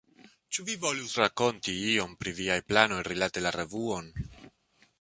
Ĉu vi volus rakonti iom pri viaj planoj rilate la revuon?